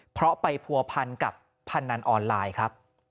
เพราะไปผัวพันธุ์กับพันธุ์นั้นออนไลน์ครับ